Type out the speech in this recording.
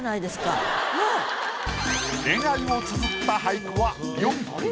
恋愛をつづった俳句は４句。